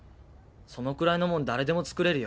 そのくらいのもん誰でも作れるよ。